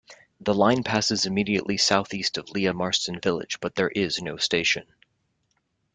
The line passes immediately south-east of Lea Marston village but there is no station.